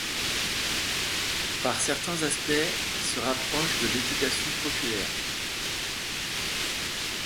Par certains aspects, il se rapproche de l’Éducation populaire.